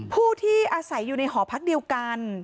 ผู้ที่อาศัยอยู่ในหอพักเดียวกัน